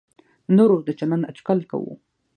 د نورو د چلند اټکل کوو.